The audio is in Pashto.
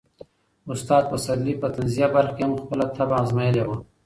استاد پسرلي په طنزيه برخه کې هم خپله طبع ازمایلې وه.